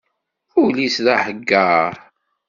Ul-is d ahaggaṛ.